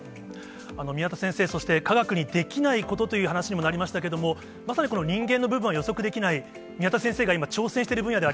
宮田先生、そして科学にできないことという話にもなりましたけれども、まさに人間の部分は予測できない、宮田先生が今、挑戦している分野